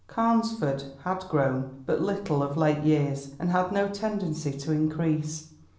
Carnesford had grown but little of late years, and had no tendency to increase.